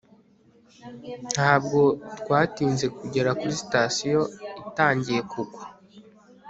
ntabwo twatinze kugera kuri sitasiyo itangiye kugwa